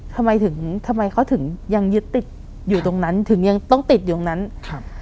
ทำไมถึงทำไมเขาถึงยังยึดติดอยู่ตรงนั้นถึงยังต้องติดอยู่ตรงนั้นครับ